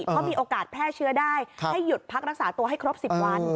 เพราะมีโอกาสแพร่เชื้อได้ให้หยุดพักรักษาตัวให้ครบ๑๐วัน